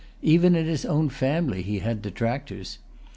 Even in his own family he had detractors.